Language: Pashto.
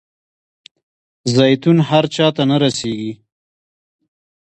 زیتون هر چاته نه رسیږي.